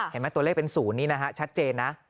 เห็นไหมตัวเลขเป็น๐นี่นะฮะชัดเจนนะ